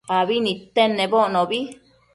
abi nidtenedbocnobi